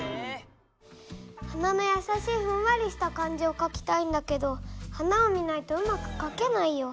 花のやさしいふんわりした感じをかきたいんだけど花を見ないとうまくかけないよ。